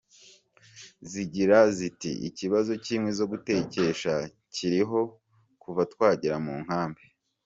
Ziragira ziti: “Ikibazo cy’inkwi zo gutekesha kiriho kuva twagera mu nkambi.